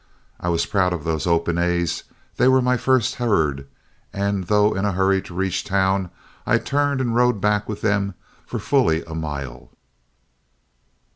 I was proud of those "Open A's;" they were my first herd, and though in a hurry to reach town, I turned and rode back with them for fully a mile.